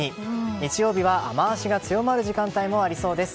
日曜日は雨脚が強まる時間帯もありそうです。